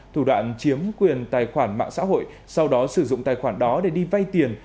thủ đoạn chiếm quyền tài khoản mạng xã hội sau đó sử dụng tài khoản đó để đi vay tiền